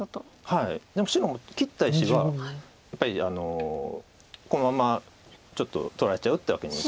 でも白も切った石はやっぱりこのままちょっと取られちゃうってわけには。